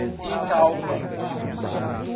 Italva